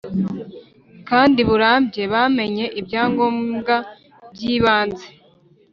kandi burambye bamenye ibya ngombwa byibanze